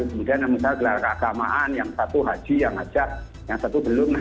kemudian yang misalnya gelar keagamaan yang satu haji yang hajah yang satu belum